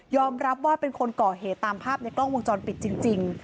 รับว่าเป็นคนก่อเหตุตามภาพในกล้องวงจรปิดจริง